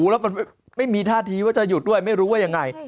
แล้วมันไม่มีท่าทีว่าจะหยุดด้วยไม่รู้ว่ายังไง